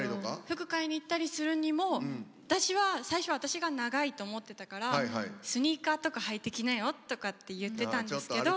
服買いに行ったりするにも私は最初私が長いと思ってたからスニーカーとか履いてきなよとかって言ってたんですけど。